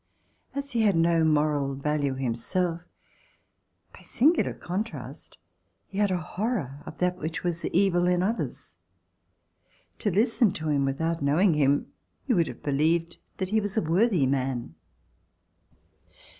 As he had no moral value himself, by singular contrast, he had a horror of that which was evil in others. To listen to him without knowing him, you would have believed that he was a worthy man.